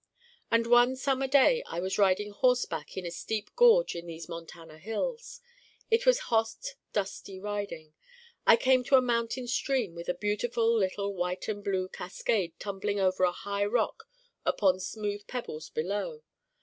And one summer day I was riding horseback up a steep gorge in these Montana hills. It was hot dusty riding. I came to a mountain stream with a beautiful little white and blue cascade tumbling over a high rock upon smooth pebbles below.